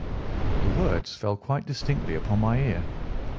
The words fell quite distinctly upon my ear.